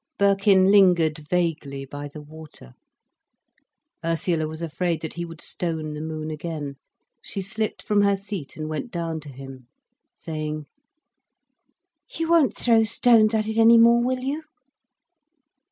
Birkin lingered vaguely by the water. Ursula was afraid that he would stone the moon again. She slipped from her seat and went down to him, saying: "You won't throw stones at it any more, will you?"